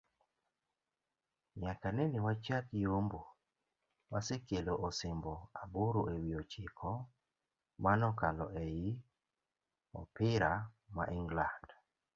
nyaka nene wachak yombo, wasekelo osimbo aboro ewi ochiko manokalo ei opira ma England